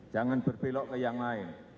jangan berbelok ke yang lain